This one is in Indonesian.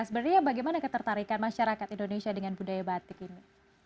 sebenarnya bagaimana ketertarikan masyarakat indonesia dengan budaya batik ini